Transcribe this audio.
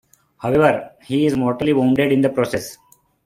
However, he is mortally wounded in the process.